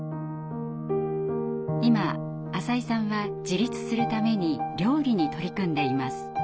今浅井さんは自立するために料理に取り組んでいます。